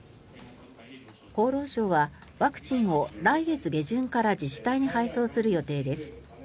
厚労省はワクチンを来月下旬から自治体に配送する予定です。